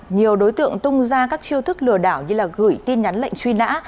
nhiều đối tượng tung ra các chiêu thức lừa đảo như gửi tin nhắn lệnh truy nã